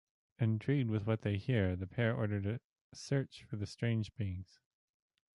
Intrigued with what they hear, the pair order a search for the strange beings.